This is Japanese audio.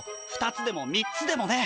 ２つでも３つでもね！